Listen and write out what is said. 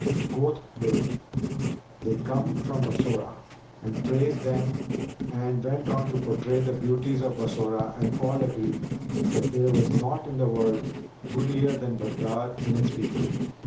Quoth they, 'They come from Bassorah,' and praised them and went on to portray the beauties of Bassorah and all agreed that there was naught in the world goodlier than Baghdad and its people.